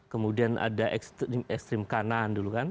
kemudian ada ekstrim kanan dulu kan